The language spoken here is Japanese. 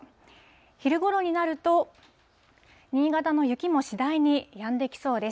昼ごろになると、新潟の雪も次第にやんできそうです。